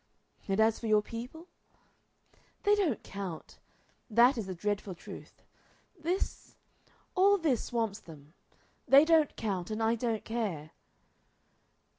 "And as for your people?" "They don't count. That is the dreadful truth. This all this swamps them. They don't count, and I don't care."